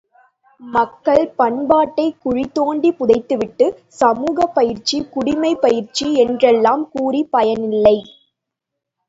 மக்கள் பண்பாட்டைக் குழி தோண்டிப் புதைத்துவிட்டு, சமூகப் பயிற்சி குடிமைப் பயிற்சி என்றெல்லாம் கூறிப் பயனில்லை.